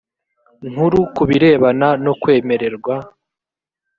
nkuru ku birebana no kwemererwa